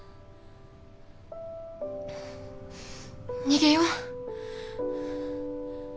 逃げよう。